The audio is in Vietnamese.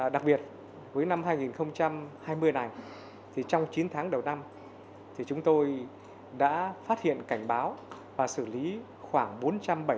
đặc biệt với năm hai nghìn hai mươi này trong chín tháng đầu năm chúng tôi đã phát hiện cảnh báo và xử lý khoảng bốn trăm bảy mươi cuộc tấn công